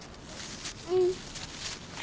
うん。